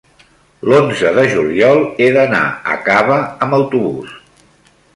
l'onze de juliol he d'anar a Cava amb autobús.